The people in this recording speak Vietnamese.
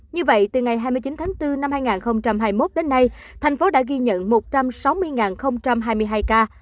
như vậy từ ngày hai mươi chín tháng bốn năm hai nghìn hai mươi một đến nay thành phố đã ghi nhận một trăm sáu mươi hai mươi hai ca